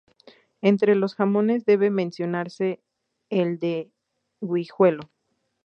Entre los jamones debe mencionarse el de Guijuelo.